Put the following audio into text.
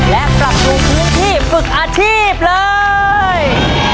และปรับปรุงพื้นที่ฝึกอาชีพเลย